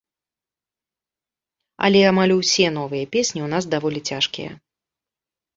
Але амаль усе новыя песні ў нас даволі цяжкія.